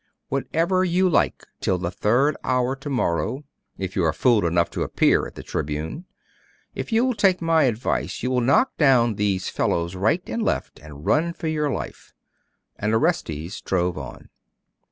'Whatever you like, till the third hour to morrow if you are fool enough to appear at the tribune. If you will take my advice' you will knock down these fellows right and left, and run for your life.' And Orestes drove on.